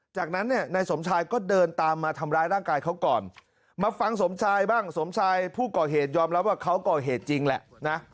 จากนั้นเนี่ยนายสมชายก็เดินตามมาทำร้ายร่างกายเขาก่อนมาฟังสมชายบ้างสมชายผู้ก่อเหตุยอมรับว่าเขาก่อเหตุจริงแหละนะ